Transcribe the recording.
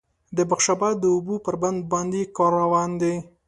د بخش آباد د اوبو پر بند باندې کار روان دی